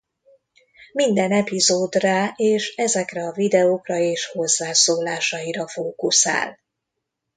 Minden epizód rá és ezekre a videókra és hozzászólásaira fókuszál.